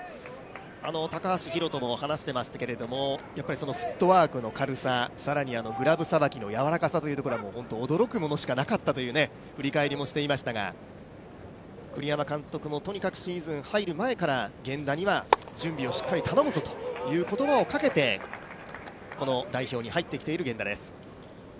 高橋宏斗も話してましたけど、フットワークの軽さ更にグラブさばきのやわらかさというのも驚くものしかなかったという振り返りもしていましたが、栗山監督もとにかくシーズン入る前から、源田には準備をしっかり頼むぞという声をかけてこの代表に入ってきている源田です。